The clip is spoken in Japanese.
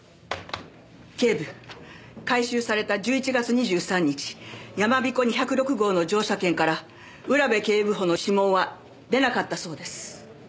警部回収された１１月２３日やまびこ２０６号の乗車券から浦部警部補の指紋は出なかったそうです。